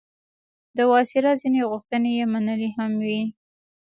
د وایسرا ځینې غوښتنې یې منلي هم وې.